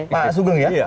pak sugeng ya